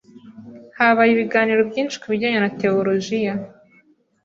habaye ibiganiro byinshi ku bijyanye na tewolojiya